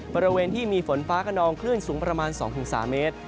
บริเวณที่มีฝนฟ้าขนองคลื่นสูงประมาณ๒๓เมตร